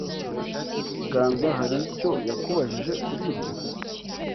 Ganza hari icyo yakubajije kuri ibyo?